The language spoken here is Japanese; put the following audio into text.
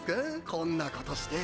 こんなことして。